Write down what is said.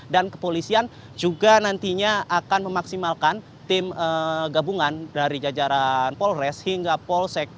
dan kepolisian juga nantinya akan memaksimalkan tim gabungan dari jajaran polres hingga polsek